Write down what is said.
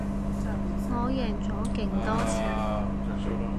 我贏咗勁多錢